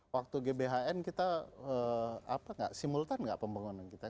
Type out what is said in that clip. waktu gbhn kita simultan nggak pembangunan kita